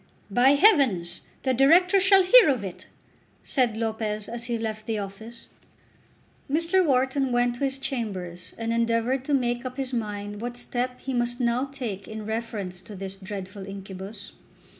"By heavens, the Directors shall hear of it!" said Lopez as he left the office. Mr. Wharton went to his chambers and endeavoured to make up his mind what step he must now take in reference to this dreadful incubus.